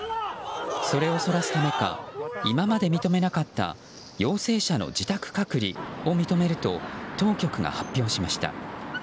それを、そらすためか今まで認めなかった陽性者の自宅隔離を認めると当局が発表しました。